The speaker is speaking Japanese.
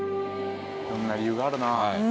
色んな理由があるな。